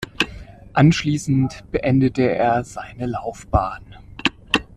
Anschließend beendete er seine Laufbahn.